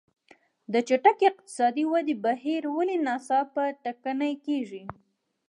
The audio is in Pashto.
د چټکې اقتصادي ودې بهیر ولې ناڅاپه ټکنی کېږي.